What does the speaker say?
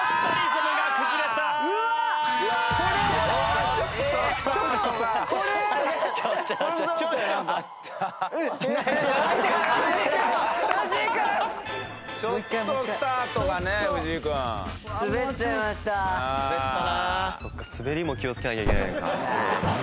そっか滑りも気をつけなきゃいけないのか。